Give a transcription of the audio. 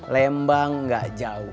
lembang gak jauh